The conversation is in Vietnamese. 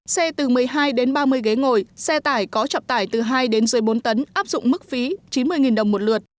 xe từ một mươi hai đến ba mươi ghế ngồi xe tải có trọng tải từ hai đến dưới bốn tấn áp dụng mức phí chín mươi đồng một lượt